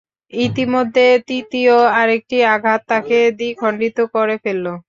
ইতিমধ্যে তৃতীয় আরেকটি আঘাত তাঁকে দ্বিখণ্ডিত করে ফেলল।